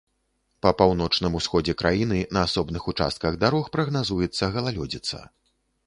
Па паўночным усходзе краіны на асобных участках дарог прагназуецца галалёдзіца.